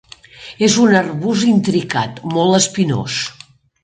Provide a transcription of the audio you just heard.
És un arbust intricat molt espinós.